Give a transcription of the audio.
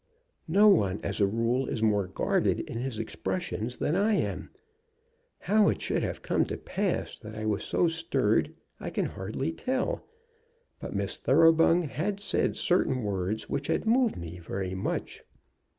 "No one, as a rule, is more guarded in his expressions than I am. How it should have come to pass that I was so stirred I can hardly tell. But Miss Thoroughbung had said certain words which had moved me very much."